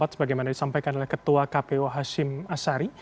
sebagaimana disampaikan oleh ketua kpu hashim asari